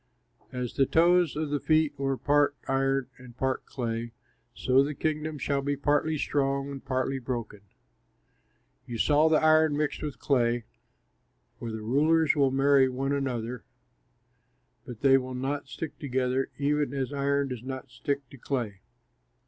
As the toes of the feet were part iron and part clay, so the kingdom shall be partly strong and partly broken. You saw the iron mixed with clay, for the rulers will marry one another, but they will not stick together, even as iron does not stick to clay.